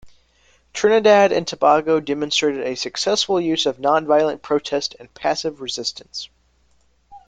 Trinidad and Tobago demonstrated a successful use of non-violent protest and passive resistance.